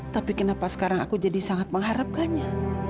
tapi kenapa sekarang aku jadi sangat mengharapkannya